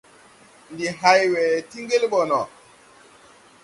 Ndi hay we tii ŋgel ɓɔ no...